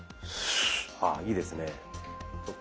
あいいですね。